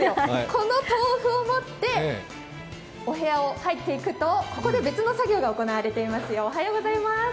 この豆腐を持ってお部屋に入っていくと、ここで別の作業が行われています。